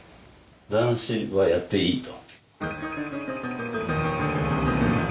男子はやっていいと。